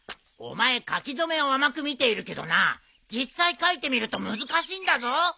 お前書き初めを甘く見ているけどな実際書いてみると難しいんだぞ。